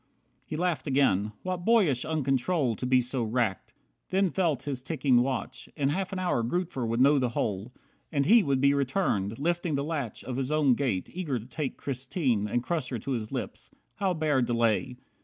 48 He laughed again. What boyish uncontrol To be so racked. Then felt his ticking watch. In half an hour Grootver would know the whole. And he would be returned, lifting the latch Of his own gate, eager to take Christine And crush her to his lips. How bear delay?